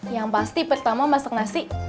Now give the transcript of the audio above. yang pasti pertama masak nasi